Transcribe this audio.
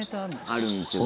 あるんですよ。